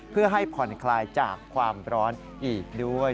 เพื่อให้ผ่อนคลายจากความร้อนอีกด้วย